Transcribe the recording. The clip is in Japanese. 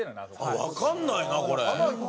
わかんないなこれ。